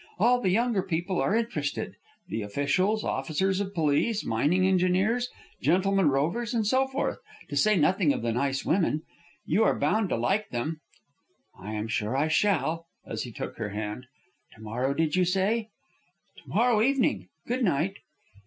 All the younger people are interested, the officials, officers of police, mining engineers, gentlemen rovers, and so forth, to say nothing of the nice women. You are bound to like them." "I am sure I shall," as he took her hand. "Tomorrow, did you say?" "To morrow evening. Good night."